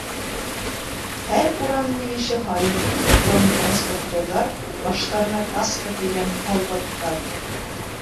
Һәр урам мөйөшө һайын — бронетранспортерҙар, баштарына каска кейгән һалдаттар.